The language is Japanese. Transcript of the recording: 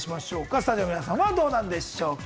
スタジオの皆さん、どうなんでしょうか。